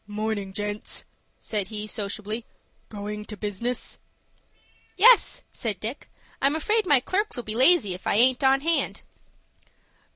"Morning, gents," said he, sociably. "Going to business?" "Yes," said Dick. "I'm afraid my clerks'll be lazy if I aint on hand."